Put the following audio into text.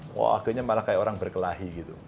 wah akhirnya malah kayak orang berkelahi gitu